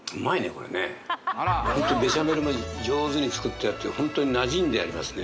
これねベシャメルも上手に作ってあってホントになじんでありますね